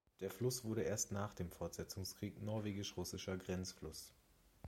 Der Fluss wurde erst nach dem Fortsetzungskrieg norwegisch-russischer Grenzfluss.